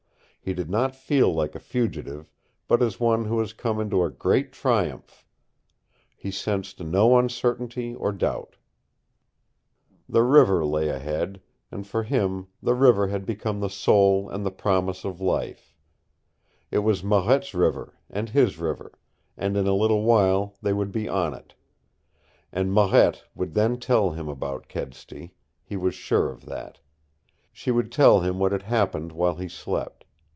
He did not feel like a fugitive, but as one who has come into a great triumph. He sensed no uncertainty or doubt. The river lay ahead, and for him the river had become the soul and the promise of life. It was Marette's river and his river, and in a little while they would be on it. And Marette would then tell him about Kedsty. He was sure of that. She would tell him what had happened while he slept.